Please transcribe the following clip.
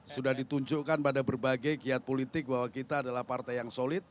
sudah ditunjukkan pada berbagai kiat politik bahwa kita adalah partai yang solid